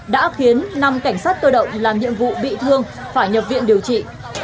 đã khiến năm cảnh sát cơ động làm nhiệm vụ bị thương phải nhập viện điều trị